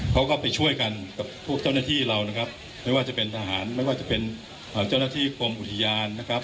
เขาก็ไปช่วยกันกับพวกเจ้าหน้าที่เรานะครับไม่ว่าจะเป็นทหารไม่ว่าจะเป็นเจ้าหน้าที่กรมอุทยานนะครับ